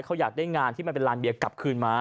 ไปงานที่ไม่เป็นร้านเบียร์กลับคืนมา